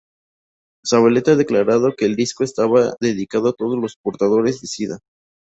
Zavaleta ha declarado que el disco estaba dedicado a todos los portadores de sida.